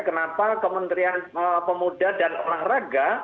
kenapa kementerian pemuda dan olahraga